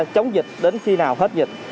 chống dịch đến khi nào hết dịch